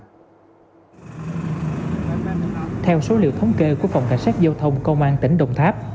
theo số liệu thống kê của phòng cảnh sát giao thông công an tỉnh đồng tháp